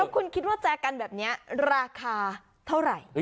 คุณคิดว่าแจกันแบบนี้ราคาเท่าไหร่